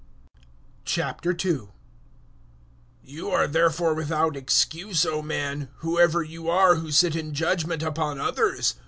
002:001 You are therefore without excuse, O man, whoever you are who sit in judgement upon others.